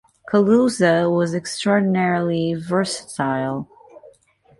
Kaluza was extraordinarily versatile.